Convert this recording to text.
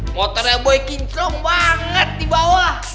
motornya boy kinclong banget di bawah